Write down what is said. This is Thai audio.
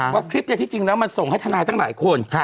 ว่าคลิปที่จริงแล้วมันส่งให้ทนายตั้งหลายคน